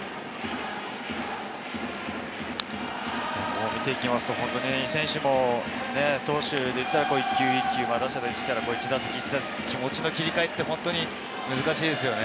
こう見ていきますと、投手で言ったら一球一球、打者で言ったら１打席１打席、気持ちの切り替えって本当に難しいですよね。